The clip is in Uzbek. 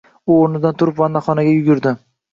U o‘rnidan turib vannaxonaga yugurdi